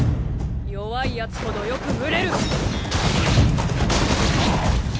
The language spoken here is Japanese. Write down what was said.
弱いヤツほどよく群れる。